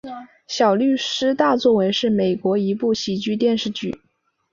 小律师大作为是美国的一部喜剧电视剧。